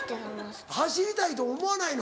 走りたいと思わないの？